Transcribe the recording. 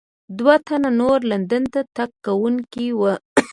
دوه تنه نور لندن ته تګونکي وو.